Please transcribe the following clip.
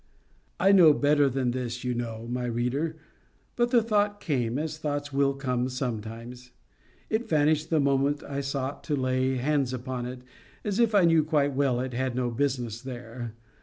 I knew better than this you know, my reader; but the thought came, as thoughts will come sometimes. It vanished the moment I sought to lay hands upon it, as if it knew quite well it had no business there.